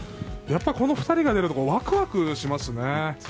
この２人が出るとワクワクしますね。